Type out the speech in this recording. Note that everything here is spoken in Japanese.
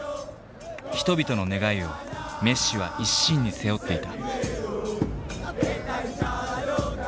人々の願いをメッシは一身に背負っていた。